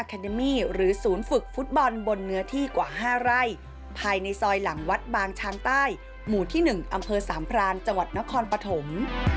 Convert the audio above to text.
เจอสามพรานจังหวัดนครปฐม